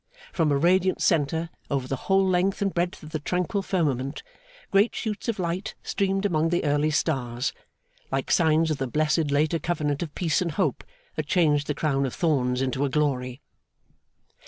From a radiant centre, over the whole length and breadth of the tranquil firmament, great shoots of light streamed among the early stars, like signs of the blessed later covenant of peace and hope that changed the crown of thorns into a glory.